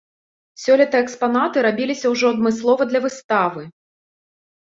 Сёлета экспанаты рабіліся ўжо адмыслова для выставы.